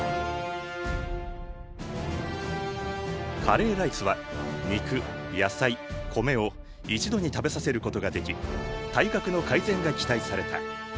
カレーライスは肉野菜米を一度に食べさせることができ体格の改善が期待された。